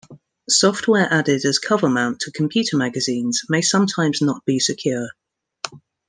Software added as covermount to computer magazines may sometimes not be secure.